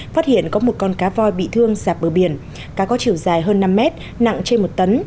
phát hiện có một con cá voi bị thương sạp bờ biển cá có chiều dài hơn năm mét nặng trên một tấn